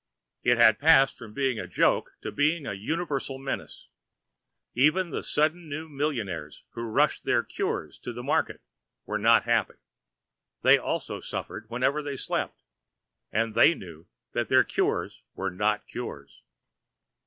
It had passed from being a joke to being a universal menace. Even the sudden new millionaires who rushed their cures to the market were not happy. They also suffered whenever they slept, and they knew that their cures were not cures.